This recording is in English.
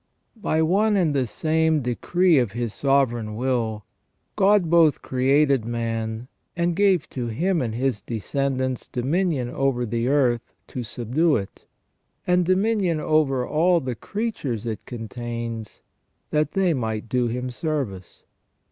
By one and the same decree of His sovereign will, God both created man and gave to him and his descendants dominion over the earth, to subdue it, and dominion over all the creatures it contains, that they might do him service.